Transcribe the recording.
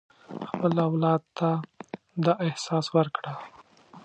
خپل اولاد ته دا احساس ورکړه.